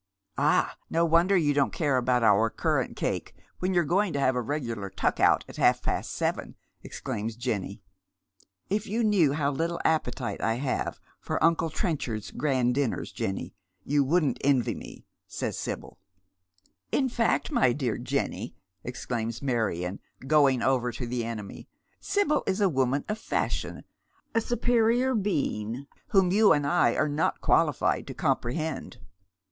" Ah, no wonder you don't care about our currant cake when you're going to have a regular tuck out at half past seven," ex claims Jenny. " If you laiew how little appetite I have for uncle Trenchard's grand dinners, Jenny, you wouldn't envy me," says Sibyl. " In fact, my dear Jenny," exclaims IVIarion, going over to the enemy, " Sibyl is a woman of fashion, a superior being whom you and I are not qualified to comprehend."